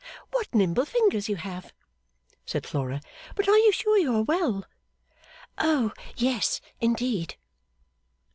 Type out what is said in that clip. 'What nimble fingers you have,' said Flora, 'but are you sure you are well?' 'Oh yes, indeed!